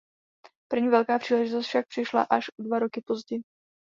První velká příležitost však přišla až o dva roky později.